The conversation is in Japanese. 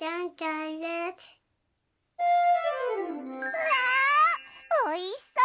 うわおいしそう！